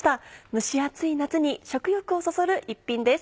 蒸し暑い夏に食欲をそそる一品です。